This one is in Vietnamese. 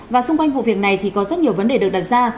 trong vụ việc này có rất nhiều vấn đề được đặt ra